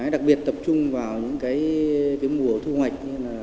đặc biệt tập trung vào những mùa thu hoạch